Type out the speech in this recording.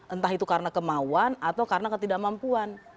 entah itu karena kemauan atau karena ketidakmampuan